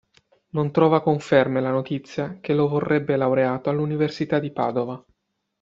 Non trova conferme la notizia che lo vorrebbe laureato all'università di Padova.